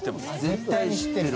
絶対に知ってる。